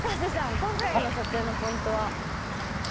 今回の撮影のポイントは？